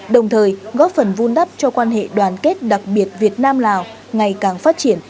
đồng thời góp phần vun đắp cho quan hệ đoàn kết đặc biệt việt nam lào ngày càng phát triển